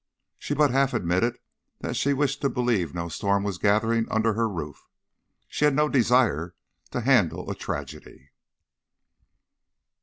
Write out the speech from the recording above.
She but half admitted that she wished to believe no storm was gathering under her roof. She had no desire to handle a tragedy.